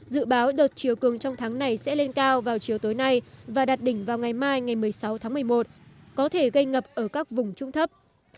dự báo đợt chiều cường trong tháng này sẽ lên cao vào chiều tối nay và đặt đỉnh vào ngày mai ngày một mươi sáu tháng một mươi một có thể gây ngập ở các vùng trung thấp